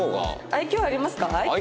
愛嬌あります？